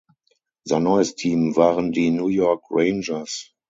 Sein neues Team waren die New York Rangers.